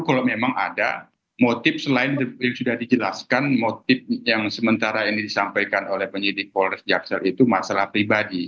kalau memang ada motif selain yang sudah dijelaskan motif yang sementara ini disampaikan oleh penyidik polres jaksel itu masalah pribadi